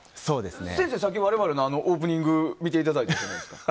先生、さっき我々のオープニング見ていただいたじゃないですか。